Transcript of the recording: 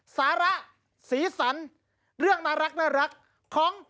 สาระสีสันเรื่องน่ารักของ